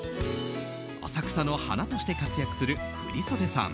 浅草の華として活躍する振袖さん